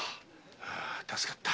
あ助かった！